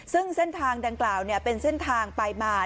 ซึ่งเส้นทางดังกล่าวเป็นเส้นทางไปมา